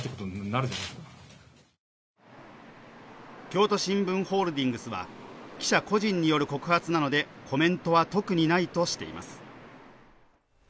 京都新聞ホールディングスは記者個人による告発なのでコメントは特にないとしています。